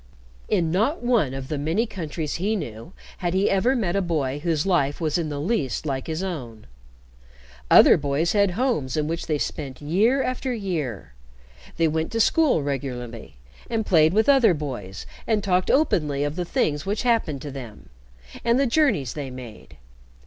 In not one of the many countries he knew had he ever met a boy whose life was in the least like his own. Other boys had homes in which they spent year after year; they went to school regularly, and played with other boys, and talked openly of the things which happened to them, and the journeys they made.